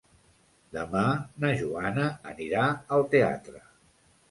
Demà na Joana anirà al teatre.